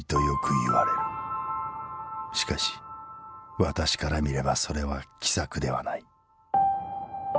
しかし私から見ればそれは奇策ではない。